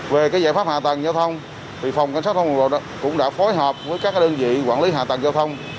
về cái giải pháp hạ tầng giao thông thì phòng cảnh sát thông cũng đã phối hợp với các đơn vị quản lý hạ tầng giao thông